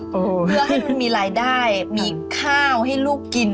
เพื่อให้มันมีรายได้มีข้าวให้ลูกกิน